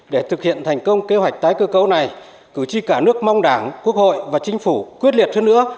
để thực hiện thành công kế hoạch tái cơ cấu này cử tri cả nước mong đảng quốc hội và chính phủ quyết liệt hơn nữa